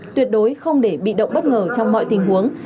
tuyệt đối không để bị động bất ngờ trong mọi tình huống